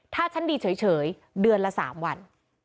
ถ้าฉันดีเฉยเดือนละ๓วัน